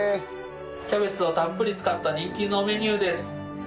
キャベツをたっぷり使った人気のメニューです。